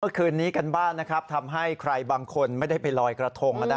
เมื่อคืนนี้กันบ้างนะครับทำให้ใครบางคนไม่ได้ไปลอยกระทง